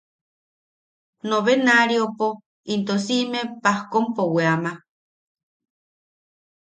Novenaariopo into siʼime pajkompo weama.